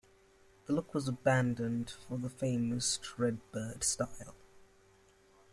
The look was abandoned for the famous Redbird style.